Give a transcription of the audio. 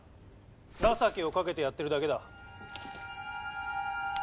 情けをかけてやっているだけだ。